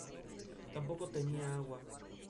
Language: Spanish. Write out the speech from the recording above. Tampoco tenía agua.